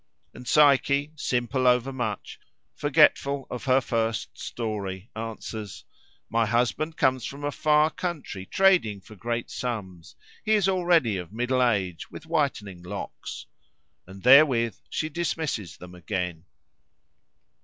And Psyche, simple over much, forgetful of her first story, answers, "My husband comes from a far country, trading for great sums. He is already of middle age, with whitening locks." And therewith she dismisses them again.